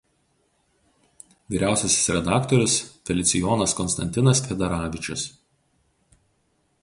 Vyriausiasis redaktorius Felicijonas Konstantinas Fedaravičius.